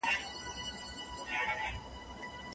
ډېره ډوډۍ ماڼۍ ته یوړل نه سوه.